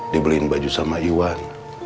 dibeliin baju sama iwan